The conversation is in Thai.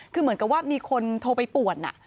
คือเหมือนกับว่ามีคนโทรไปป่วน